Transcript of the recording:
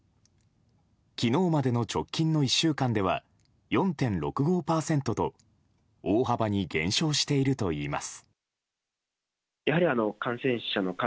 昨日までに直近の１週間では４．６５％と大幅に減少しているといいます。